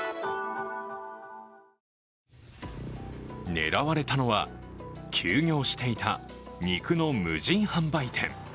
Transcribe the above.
狙われたのは、休業していた肉の無人販売店。